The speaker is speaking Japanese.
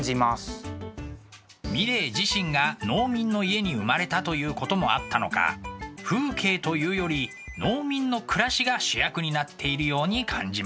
ミレー自身が農民の家に生まれたということもあったのか風景というより農民の暮らしが主役になっているように感じますね。